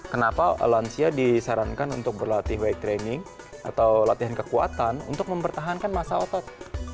kenapa lansia disarankan untuk berlatih white training atau latihan kekuatan untuk mempertahankan masa otot